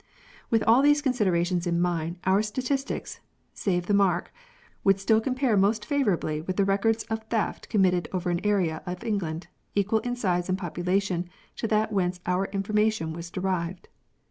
With all these considerations in mind, our statistics (save the mark !) would still compare most favourably with the records of theft committed over an area in England equal in size and population to that whence our infor mation was derived.